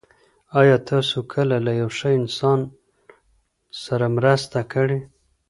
آیا تاسو کله له یو ښه انسان سره مرسته کړې؟